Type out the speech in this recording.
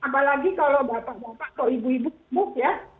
apalagi kalau bapak bapak kalau ibu ibu kemuk ya